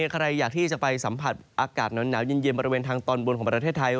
ใครอยากที่จะไปสัมผัสอากาศหนาวเย็นบริเวณทางตอนบนของประเทศไทย